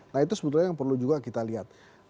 nah itu sebetulnya yang perlu juga kita lihat